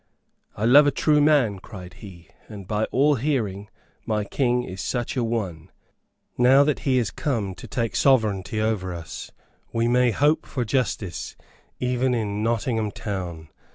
"I love a true man," cried he, "and by all hearing my King is such an one. Now that he is come to take sovereignty over us we may hope for justice, even in Nottingham town.